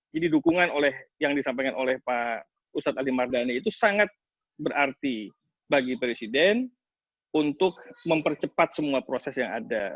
jadi dukungan yang disampaikan oleh pak ustadz ali mardhani itu sangat berarti bagi presiden untuk mempercepat semua proses yang ada